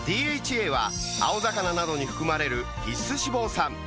ＤＨＡは青魚などに含まれる必須脂肪酸